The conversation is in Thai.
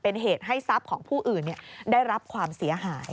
เป็นเหตุให้ทรัพย์ของผู้อื่นได้รับความเสียหาย